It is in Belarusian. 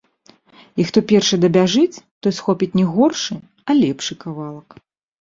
І хто першы дабяжыць, той схопіць не горшы, а лепшы кавалак.